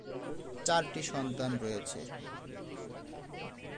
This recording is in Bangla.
তার চারটি সন্তান রয়েছে।